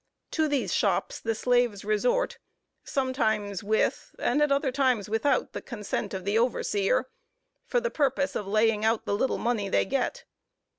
To these shops the slaves resort, sometimes with, and at other times without, the consent of the overseer, for the purpose of laying out the little money they get.